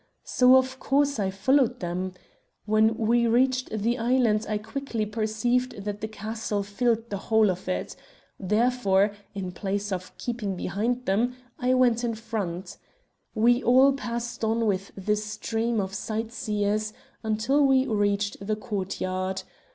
So, of course, I followed them. When we reached the island, I quickly perceived that the castle filled the whole of it. Therefore, in place of keeping behind them I went in front. We all passed on with the stream of sightseers until we reached the courtyard.